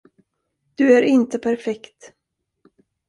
Du är inte perfekt!